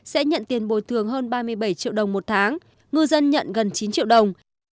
sẽ nhận tiền bồi thường hơn ba mươi bảy triệu đồng một tháng ngư dân nhận gần chín triệu đồng